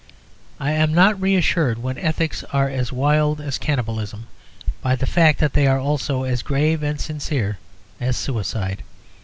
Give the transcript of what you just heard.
I am not reassured, when ethics are as wild as cannibalism, by the fact that they are also as grave and sincere as suicide.